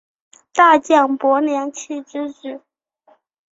大将柏良器之子。